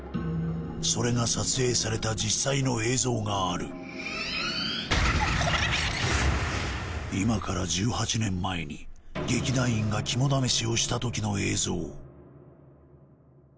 それが撮影された実際の映像がある今から１８年前に劇団員が肝試しをした時の映像１００％